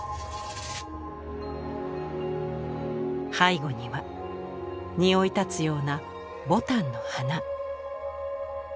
背景には匂いたつような牡丹の花。